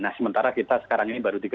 nah sementara kita sekarang ini baru